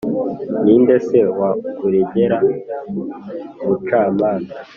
Ni nde se wakuregera ubucamanza,